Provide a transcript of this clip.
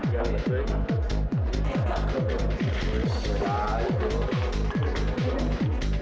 buat malam ini